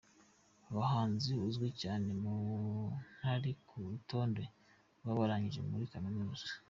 Umuhanzi uzwi cyane ntari ku rutonde rw’abarangije muri Kaminuza